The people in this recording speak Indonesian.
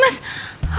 mas sepuluh raten